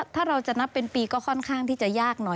ถ้าเราจะนับเป็นปีก็ค่อนข้างที่จะยากหน่อย